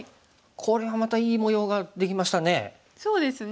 これはまたいい模様ができましたね。